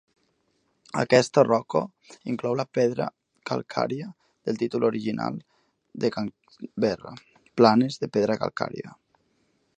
Aquesta roca inclou la pedra calcària del títol original de Canberra "Planes de pedra calcària".